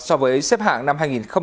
so với xếp hạng năm hai nghìn một mươi tám